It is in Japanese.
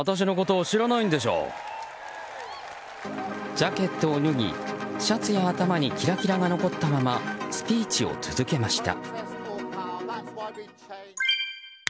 ジャケットを脱ぎシャツや頭にキラキラが残ったままスピーチを続けました。